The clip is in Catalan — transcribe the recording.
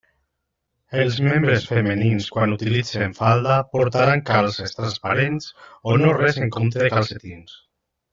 Els membres femenins quan utilitzen falda portaran calces transparents o no res en compte dels calcetins.